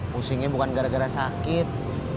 pusingnya bukan gara gara sakit